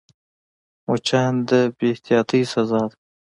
مچان د بې احتیاطۍ سزا ده